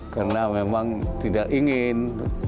karena memang tidak ingin